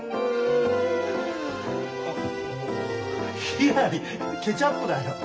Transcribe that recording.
ひらりケチャップだよ。